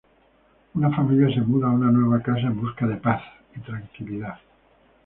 Una familia se muda a una nueva casa en busca de paz y tranquilidad.